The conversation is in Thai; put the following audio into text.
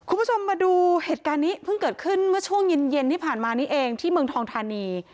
คุณผู้ชมมาดูเหตุการณ์นี้เพิ่งเกิดขึ้นเมื่อช่วงเย็นที่ผ่านมานี้เองที่เมืองทองทานี